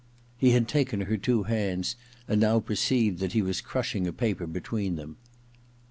He had taken her two hands, and now perceived that he was crushing a paper between them.